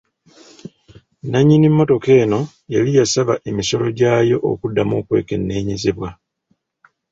Nnannyini mmotoka eno yali yasaba emisolo gyayo okuddamu okwekenneenyezebwa.